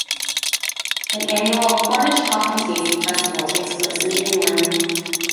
An annual "Cornish Talk and Taste" festival takes place in January.